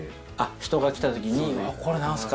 人が来た時に、これ何すか？